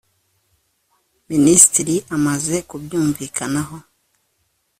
minisitiri amaze kubyumvikanaho